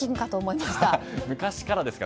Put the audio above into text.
昔からですから。